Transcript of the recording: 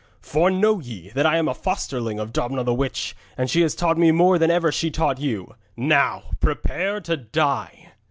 For know ye, that I am a fosterling of Domna the witch, and she taught me more than ever she taught you. Now prepare ye to die.'